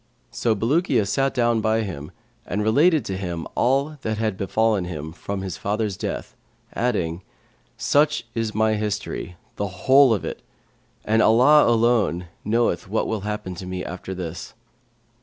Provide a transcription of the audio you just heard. So Bulukiya sat down by him and related to him all that had befallen him from his father's death,[FN#535] adding, 'Such is my history, the whole of it, and Allah alone knoweth what will happen to me after this.'